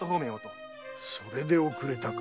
それで遅れたか。